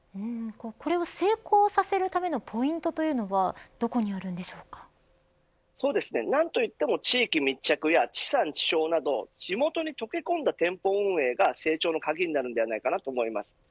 これを成功させるためのポイントは何と言っても地域密着や地産地消など地元に溶け込んだ店舗運営が成長の鍵になると思います。